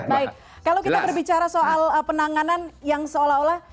baik kalau kita berbicara soal penanganan yang seolah olah